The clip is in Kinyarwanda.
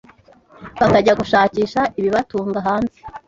bakajya gushakisha ibibatunga hanze